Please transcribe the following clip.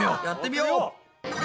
やってみよう！